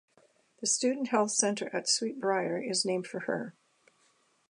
The student health center at Sweet Briar is named for her.